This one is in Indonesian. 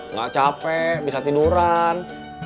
nggak capek bisa tiduran